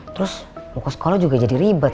terus muka sekolah juga jadi ribet